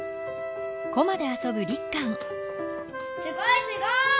すごいすごい！